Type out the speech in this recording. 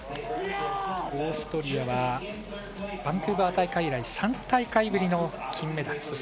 オーストリアがバンクーバー大会以来３大会ぶりの金メダル。